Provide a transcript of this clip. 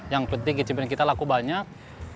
yang penting ke cimpring kita laku banyak